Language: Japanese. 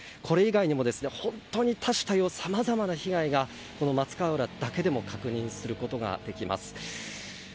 これ以外にも、本当に多種多様さまざまな被害がこの松川浦だけでも確認することができます。